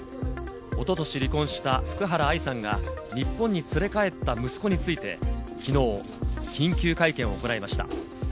おととし離婚した福原愛さんが日本に連れ帰った息子について、きのう緊急会見を行いました。